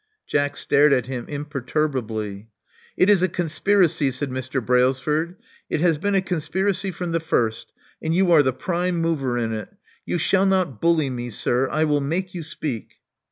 Jack stared at him imperturbably. It is a conspiracy," said Mr. Brailsford. It, has been a conspiracy from the first; and you are the prime mover in it. You shall not bully me, sir. I will make you speak."